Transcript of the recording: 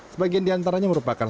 sebagian diantaranya merupakan